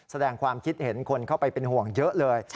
แสดงความคิดเห็นคนเข้าไปเป็นห่วงเยอะเลย